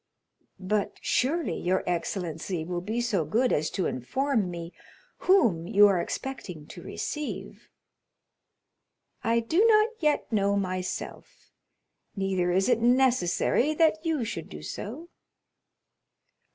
"But surely your excellency will be so good as to inform me whom you are expecting to receive?" "I do not yet know myself, neither is it necessary that you should do so.